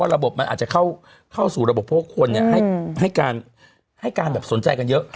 ว่าระบบมันอาจจะเข้าสู่ระบบโภคคลให้การสนใจกันเยอะ